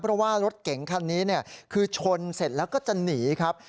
เพราะว่ารถเก๋งคันนี้คือชนเสร็จแล้วก็จะหนีครับ